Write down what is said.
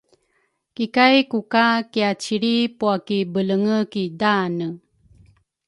Kikay kuka kiacilri pua ki belenge ki daane.